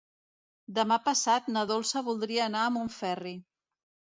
Demà passat na Dolça voldria anar a Montferri.